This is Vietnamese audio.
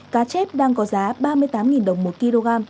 cá chép đang có giá ba mươi tám đồng một kg